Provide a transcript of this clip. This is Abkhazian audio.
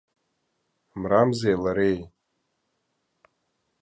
Мрамзеи лареи?